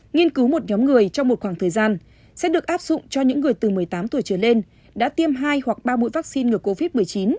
nghiên cứu một nhóm người trong một khoảng thời gian sẽ được áp dụng cho những người từ một mươi tám tuổi trở lên đã tiêm hai hoặc ba mũi vaccine ngừa covid một mươi chín